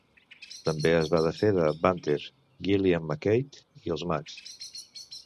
També es va desfer de Banter, Gillian McKeith i els mags.